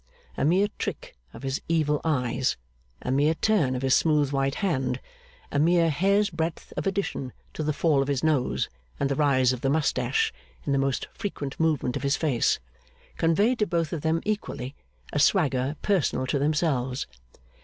A mere trick of his evil eyes, a mere turn of his smooth white hand, a mere hair's breadth of addition to the fall of his nose and the rise of the moustache in the most frequent movement of his face, conveyed to both of them, equally, a swagger personal to themselves.